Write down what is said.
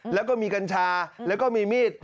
แล้วก็มีกัญชาแล้วก็มีมีด